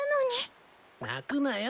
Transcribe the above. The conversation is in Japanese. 泣くなよ。